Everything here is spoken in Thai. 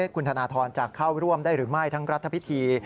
คุณธนทรจะเข้าร่วมได้หรือไม่ทั้งรัฐพิธี